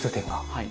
はい。